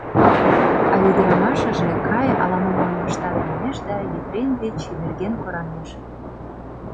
А ӱдырамашыже: «Кай, ала-мом ойлыштат», — манеш да Епрем деч чеверген кораҥеш.